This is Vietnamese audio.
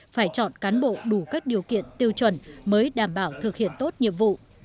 phải chọn cán bộ đủ các điều kiện tiêu chuẩn mới đảm bảo thực hiện tốt nhiệm vụ